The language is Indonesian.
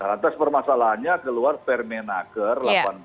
lantas permasalahannya keluar permenaker delapan belas